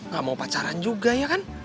gak mau pacaran juga ya kan